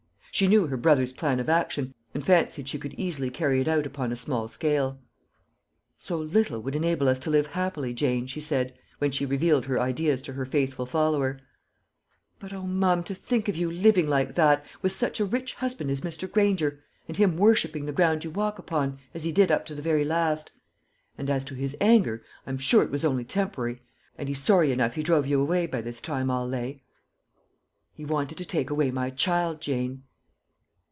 She knew her brother's plan of action, and fancied she could easily carry it out upon a small scale. "So little would enable us to live happily, Jane," she said, when she revealed her ideas to her faithful follower. "But O, mum, to think of you living like that, with such a rich husband as Mr. Granger, and him worshipping the ground you walk upon, as he did up to the very last; and as to his anger, I'm sure it was only tempory, and he's sorry enough he drove you away by this time, I'll lay." "He wanted to take away my child, Jane."